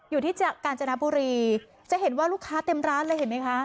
อยู่ที่กาญจนบุรีจะเห็นว่าลูกค้าเต็มร้านเลยเห็นไหมคะ